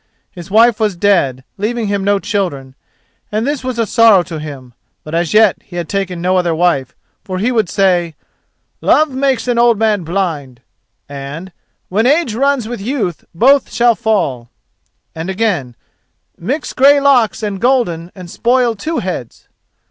His wife was dead, leaving him no children, and this was a sorrow to him; but as yet he had taken no other wife, for he would say: "Love makes an old man blind," and "When age runs with youth, both shall fall," and again, "Mix grey locks and golden and spoil two heads."